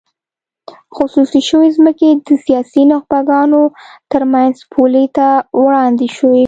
خصوصي شوې ځمکې د سیاسي نخبګانو ترمنځ بولۍ ته وړاندې شوې.